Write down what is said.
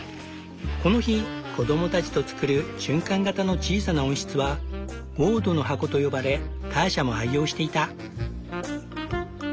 この日子どもたちと作る循環型の小さな温室は「ウォードの箱」と呼ばれターシャも愛用していた。